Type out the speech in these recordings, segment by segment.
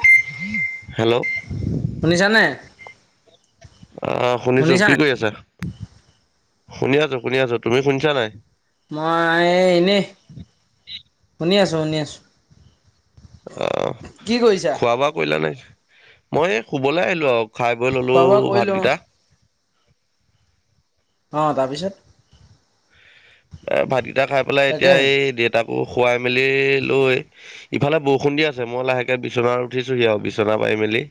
[unintelligible] Hello শুনিছা নে অ শুনিছো কি কৰি আছা শুনি আছো শুনি আছো তুমি শুনিছা নাই মই এই এনেই শুনি আছোঁ শুনি আছো অ খোৱা বোৱা কৰিলা নাই মই এই শুবলৈ আহিলো আও খাই বৈ ললো খোৱা বোৱা কৰিলোঁ ভাতকেইটা অ তাৰপিছত এ ভাতকেইটা খাই পেলাই এতিয়া তাকেহে এই দেউতাক খুৱাই মেলি লৈ ইফালে বৰষুণ দি আছে মই লাহেকে বিচনাত উঠিছোহি আৰু বিছনা পাই ফেমেলি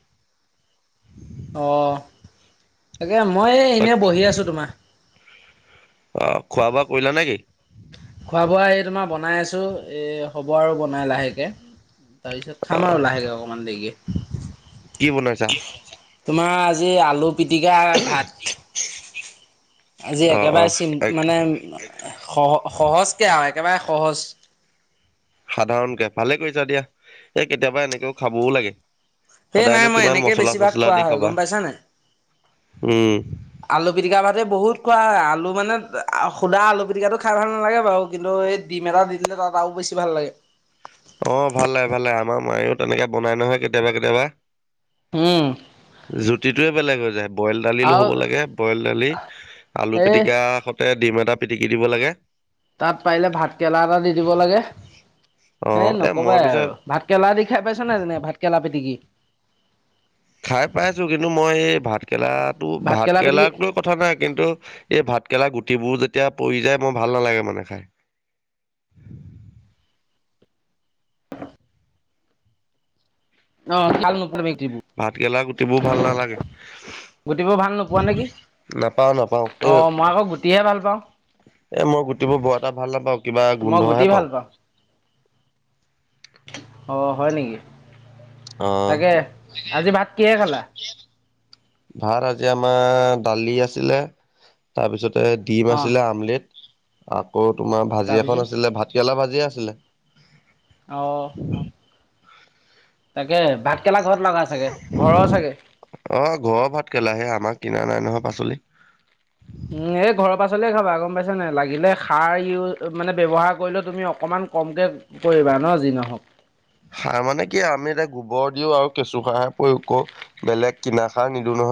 অ', তাকে মই তাক এনেই বহি আছো তোমাৰ। অ খোৱা বোৱা কৰিলা নেকি খোৱা বোৱা এই তোমাৰ বনাই আছোঁ এই হ'ব আৰু বনাই লাহেকে তাৰপিছত খাম আহ আৰু লাহেকে অকমান দেৰিকে। কি বনাইছা? তোমাৰ আজি আলু পিটিকা ভাত আজি অ অ একেবাৰে চিন এক মানে সহ সহজকে আৰু একেবাৰে সহজ। সাধাৰণকে ভালে কৰিছা দিয়া এই কেতিয়াবা এনেকেও খাবও লাগে সেই নাই সদায়নো মই কিমান এনেকে মচলা বেছিভাগ চচলা খোৱা দি হয় খাবা গম পাইছা নে নাই। উম। আলু পিটিকা ভাতে বহুত খোৱা হয় আলু মানে সোধা আলু পিটিকাটো খাই ভাল নালাগে বাৰু কিন্তু এই ডিম এটা দি দিলে তাত আৰু বেছি ভাল লাগে অ ভাল লাগে ভাল লাগে আমাৰ মায়েও তেনেকে বনাই নহয় কেতিয়াবা কেতিয়াবা। উম জুতিটোৱে বেলেগ হৈ যায় বইল দালি লো আৰু হ'ব লাগে বইল দালি আলু এই পিটিকা সতে ডিম এটা পিটিকি দিব লাগে। তাত পাৰিলে ভাত কেৰেলা এটা দি দিব লাগে। অ হে এ মই নকবাই পিছে আৰু ভাত কেৰেলা দি খাই পাইছো নে, তেনে ভাত কেলা পিটিকি? খাই পাইছো কিন্তু মই এই ভাতকৰেলাটো, ভাতকেৰেলা পিটিকি ভাতকেৰেলাক লৈ কথা নাই কিন্তু এই ভাতকেৰেলা গোট ৰুটিবোৰ যেতিয়া পৰি যায় মই ভাল নালাগে মানে খাই। অ, চাল ন ভাত কেলা গুটিবোৰ ভাল নালাগে। গুটিবোৰ ভাল নোপোৱা নেকি? নাপাও নাপাও অ এ মই আকৌ গুটিহে ভাল পাওঁ। এ মই গুটিবোৰ বৰ এটা ভাল নাপাওঁ, কিবা মই গুটি গোন্ধহে পাওঁ। ভাল অ, হয় নেকি, অ তাকে আজি ভাত কিহে খালা? ভাত আজি আমাৰ দালি আছিলে, তাৰপিছত ডিম অ আছিলে আমলেট, আকৌ তোমাৰ ভাজি তাৰপিছত এখন আছিলে, ভাত কেৰেলা ভাজি আছিলে। অ। তাকে বাত খেলা ঘৰত লগা চাগে ঘৰৰ চাগে অ, ঘৰৰ ভাত কেলাহে আমাক কিনা নাই নহয় পাচলি। উম এই ঘৰৰ পাচলিয়ে খাবা গম পাইছা নে, লাগিলে সাৰ ইউ মানে ব্যৱহাৰ কৰিলে তুমি অকমান কমকে কৰিবা ন যি নহওক। সাৰ মানে কি আমি এতিয়া গোবৰ দিও আৰু কেঁচুসাৰে প্ৰয়োগ কৰো, বেলেগ কিনা সাৰ নিদ [inaudible]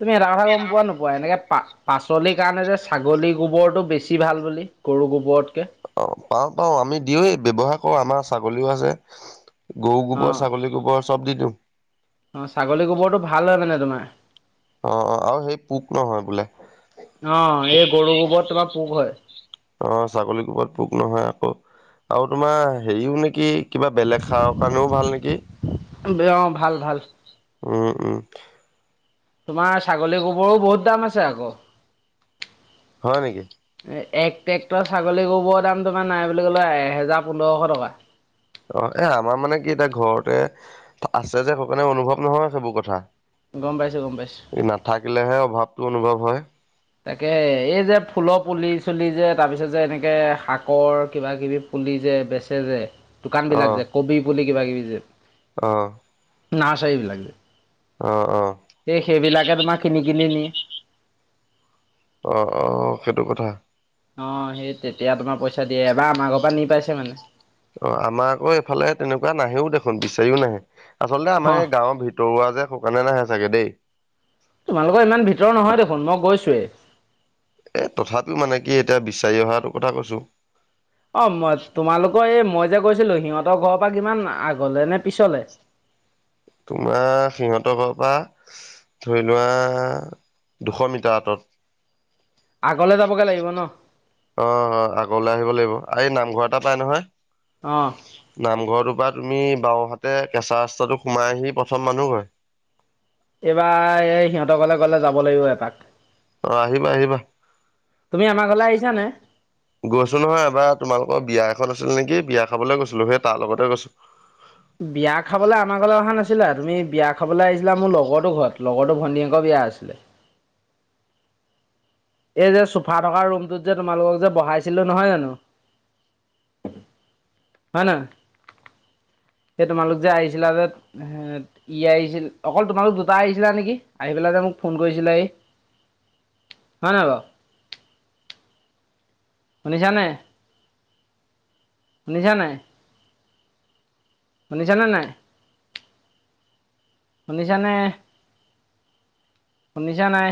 তুমি এটা কথা গম পোৱা নোপোৱা এনেকে পা পাচলিৰ কাৰণে যে ছাগলী গোবৰটো বেছি ভাল বুলি, গৰু গোবৰতকে। অ পাও-পাও আমি দিওয়ে ব্যৱহাৰ কৰো, আমাৰ ছাগলীও আছে। গৰু গোবৰ অ', ছাগলী গোবৰ চব দি দিওঁ। অ ছাগলী গোবৰটো ভাল হয় মানে তোমাৰ। অ, অ, আৰু সেই পোক নহয় বোলে। অ', এই গৰু গোবৰত তোমাৰ পোক হয়। অ ছাগলী কোবাত পোক নহয় আকৌ আৰু তোমাৰ হেৰিও নেকি কিবা বেলেগ সাৰৰ কাৰণেও ভাল নেকি? অ ভাল-ভাল। [inaudible] তোমাৰ ছাগলী গোবৰো বহুত দাম আছে আকৌ। হয় নেকি? এক ট্ৰেক্টৰ ছাগলী গোবৰ দাম তোমাৰ নাই বুলি ক'লে এহেজাৰ পোন্ধৰশ টকা। অ, এ আমাৰ মানে কি এতিয়া ঘৰতে আছে যে সকাৰণে অনুভৱ নহয় সেইবোৰ কথা। গম পাইছোঁ গম পাইছোঁ। এই নাথাকিলেহে অভাৱটো অনুভৱ হয়। তাকে, এই যে ফুলৰ পুলি-চুলি যে তাৰ পিছত যে এনেকে শাকৰ কিবা-কিবি পুলি যে বেচে যে, দোকান বিলাক যে, কবি পুলি কিবা-কিবি যে। আহ। নাচ আহিব অ, অ। স সেইবিলাকে তোমাৰ কিনি কিনি নি অ, অ' সেইটো কথা। অ, সেই তেতিয়া তোমাৰ পইচা দিয়ে এবাৰ আমাৰ ঘৰ পৰা নি পাইছে মানে। অ, আমাৰ আকৌ এইফালে তেনেকুৱা নাহেও দেখোন বিচাৰিও নাহে। আচলতে আমাৰ অঁ এই গাঁৱৰ ভিতৰুৱা যে শুকানে নাহে চাগে দেই। তোমালোকৰ ইমান ভিতৰ নহয় দেখোন মই গৈছোৱে। এ তথাপিও মানে কি এতিয়া বিচাৰি অহাটো কথা কৈছো। অ, মই তোমালোকৰ এই মই যে কৈছিলো সিহঁতৰ ঘৰৰ পৰা কিমান আগলে নে পিছলে? তোমাৰ সিহঁতৰ ঘৰৰ পৰা ধৰি লোৱা দুশ মিটাৰ আঁতত। আগলে যাবগে লাগিব ন? অ অ আগলৈ আহিব লাগিব এই নামঘৰ এটা পাই অঁ নহয় নামঘৰটোৰ পৰা তুমি বাওঁহাতে কেঁচা ৰাস্তাটো সোমাই আহি প্ৰথম মানুহ ঘৰ এইবাৰ এই সিহঁতৰ কলে গলে যাব লাগিব এপাক অ আহিবা আহিবা তুমি আমাৰ ঘৰলে আহিছানে গৈছো নহয় এবাৰ তোমালোকৰ বিয়া খন আছিল নেকি বিয়া খাবলৈ গৈছিলোঁ সেই তাৰ লগতে গৈছোঁ বিয়া খাবলৈ আমাৰ ঘৰলৈ অহা নাছিলা তুমি বিয়া খাবলৈ আহিছিলা মোৰ লগৰো ঘৰত লগৰটোো ভন্টিকৰ বিয়া [unintelligible] আছিলে এই যে চোফা থকা ৰুমটোত যে, তোমালোকক যে বহাইছিলো, নহয় জানো? স হ ন সেই তোমালোক যে আহিছিলা যে, অ' ই আহিছিল, অকল তোমালোক দুটা আহিছিলা নেকি, আহি পেলা দা মোক ফোন কৰিছিলা এই [inaudible] হয় নাই ব শুনিছা নে ু নিছা নাই শুনিছানে নাই শুনিছা নে শুনিছা নাই